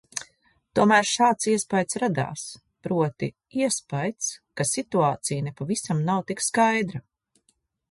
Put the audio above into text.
Tomēr šāds iespaids radās, proti, iespaids, ka situācija nepavisam nav tik skaidra.